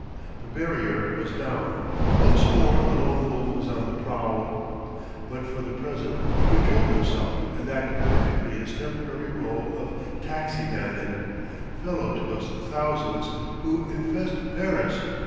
The barrier was down: once more the Lone Wolf was on the prowl. But for the present he controlled himself and acted perfectly his temporary rôle of taxi bandit, fellow to those thousands who infest Paris.